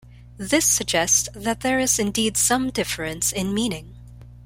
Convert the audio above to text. This suggests that there is indeed some difference in meaning.